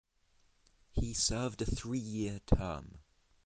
He served a three-year term.